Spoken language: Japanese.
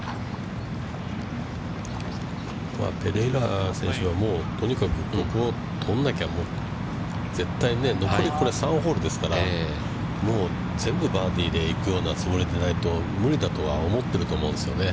ペレイラ選手は、とにかくここを取らなきゃ、残り３ホールですから、もう全部バーディーで行くようなつもりでないと、無理だとは思っていると思うんですよね。